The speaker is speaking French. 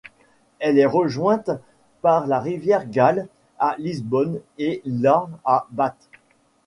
Elle est rejointe par la rivière Gale à Lisbon et la à Bath.